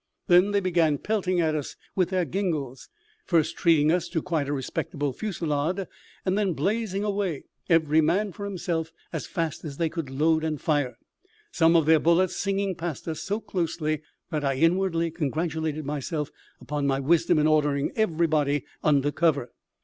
Then they began pelting at us with their gingals, first treating us to quite a respectable fusillade, and then blazing away, every man for himself, as fast as they could load and fire; some of their bullets singing past us so closely that I inwardly congratulated myself upon my wisdom in ordering everybody under cover.